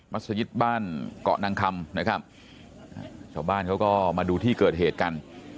สยิตบ้านเกาะนางคำนะครับชาวบ้านเขาก็มาดูที่เกิดเหตุกัน